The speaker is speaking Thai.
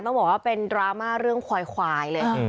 ต้องบอกว่าเป็นดราม่าเรื่องควายเลย